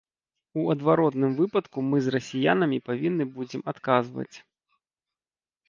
У адваротным выпадку мы з расіянамі павінны будзем адказваць.